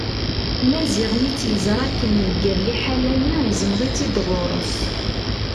Maziɣ mi tt-yeẓra akken deg yir liḥala-nni iẓmeḍ-itt-id ɣur-s.